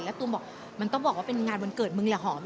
แล้วตูมบอกมันต้องบอกว่าเป็นงานวันเกิดมึงแหละหอม